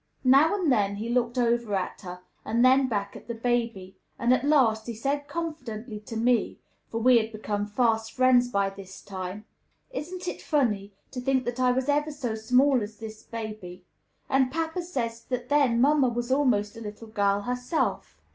Now and then he looked over at her, and then back at the baby; and at last he said confidentially to me (for we had become fast friends by this time), "Isn't it funny, to think that I was ever so small as this baby? And papa says that then mamma was almost a little girl herself."